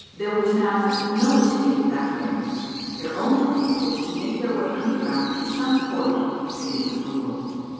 " There was now no escape that way. Their only hope was to make their way underground to some portal to the upper world.